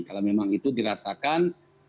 kalau memang itu dirasakan